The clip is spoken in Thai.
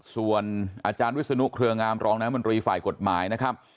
ส่วนอาจารย์วิศนุเครืองามรองน้ำมนตรีฝ่ายกฎหมายนะครับ